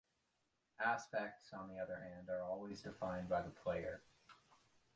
Aspects, on the other hand, are always defined by the player.